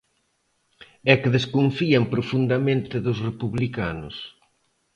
É que desconfían profundamente dos republicanos.